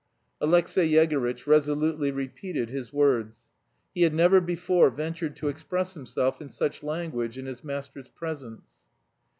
Alexey Yegorytch resolutely repeated his words. He had never before ventured to express himself in such language in his master's presence.